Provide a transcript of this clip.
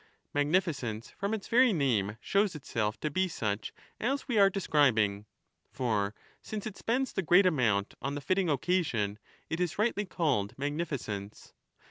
Magnificence from its very name shows itself to be such as we are describing. For since lo it spends the great amount on the fitting occasion, it is rightly called magnificence.